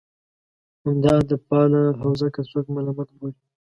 همدا ادبپاله حوزه که څوک ملامت بولي.